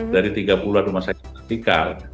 dari tiga puluh rumah sakit vertikal